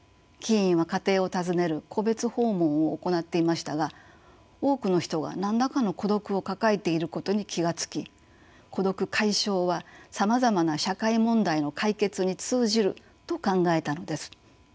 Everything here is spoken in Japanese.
議員は家庭を訪ねる戸別訪問を行っていましたが多くの人が何らかの孤独を抱えていることに気が付き孤独解消はさまざまな社会問題の解決に通じると考えたのです。